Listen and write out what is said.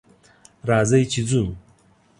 راځئ چې ځو!